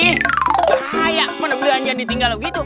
bahaya mana belanjaan ditinggal gitu